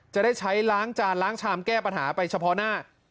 จะได้ใช้ล้างจานล้างชามแก้ปัญหาไปเฉพาะหน้า